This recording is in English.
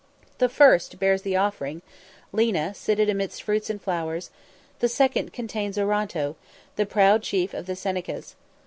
The first bears the offering, Lena, seated amidst fruits and flowers; the second contains Oronto, the proud chief of the Senecas.